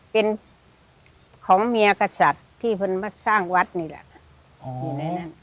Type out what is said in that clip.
เป็นของเมียกษัตริย์ที่มาสร้างวัดนี่แหละ